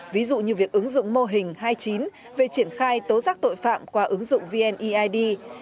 ví dụ như việc ứng dụng mô hình hai mươi chín về triển khai tố giác tội phạm qua ứng dụng vneid